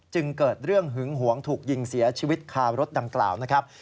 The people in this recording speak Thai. เกิดเรื่องหึงหวงถูกยิงเสียชีวิตคารถดังกล่าวนะครับ